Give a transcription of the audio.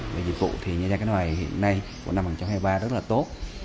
về dịch vụ thì nhà giai đoạn khánh hòa hiện nay của năm hai nghìn hai mươi ba rất là tốt